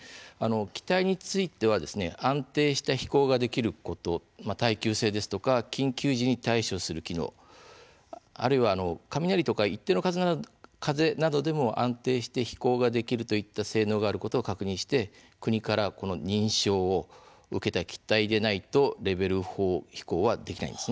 機体については安定した飛行ができること、耐久性ですとか緊急時に対処する機能あるいは雷とか一定の風などでも安定して飛行ができるといった性能があることを確認して国から認証を受けた機体でないとレベル４飛行はできないんです。